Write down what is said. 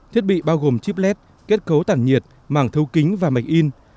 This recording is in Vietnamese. thiết bị bao gồm chip led kết cấu tản nhiệt mảng thâu kính và mạch in